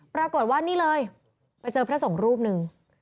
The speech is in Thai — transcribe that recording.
ปรากฏว่านี่เลยไปเจอพระสงฆ์รูปหนึ่ง